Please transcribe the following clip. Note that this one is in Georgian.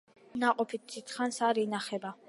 ნაყოფი დიდხანს არ ინახება.